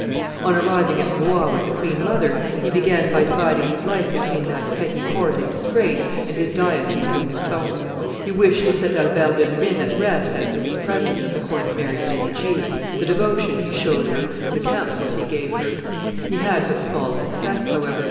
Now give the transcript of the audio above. On arriving at Blois with the queen mother, he began by dividing his life between that petty court in disgrace and his diocese of Lucon. He wished to set Albert de Luynes at rest as to his presence at the court of Mary de' Medici, the devotion he showed her, and the counsels he gave her. He had but small success, however.